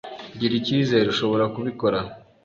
Gira ikizere. Ushobora kubikora.